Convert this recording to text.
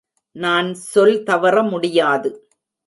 நான் சொல் தவற முடியாது.